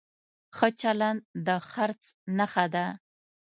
ښه چلند د خرڅ نښه ده.